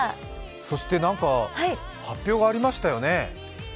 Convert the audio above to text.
そして、何か発表がありましたよね？